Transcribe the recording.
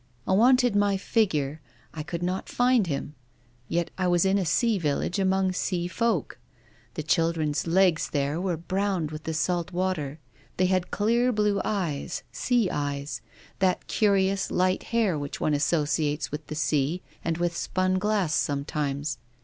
I wanted my figure, I could not find him. Yet I was in a sea village among sea folk. The children's legs there were browned with the salt water. They had clear blue eyes, sea eyes ; that curious light hair which one associates with the sea and with spun glass sometimes.